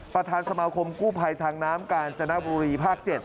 ประธานสมาคมกู้ภัยทางน้ำกาญจนบุรีภาค๗